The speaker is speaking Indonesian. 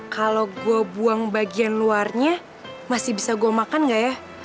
kalau gue buang bagian luarnya masih bisa gue makan gak ya